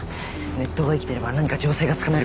ネットが生きていれば何か情勢がつかめるかも。